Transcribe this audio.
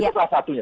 itu salah satunya